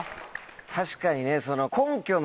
確かにね。